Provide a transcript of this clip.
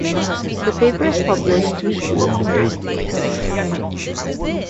The paper is published weekly on Thursdays.